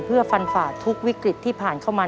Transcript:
เพื่อฟันฝ่าทุกวิกฤตที่ผ่านเข้ามา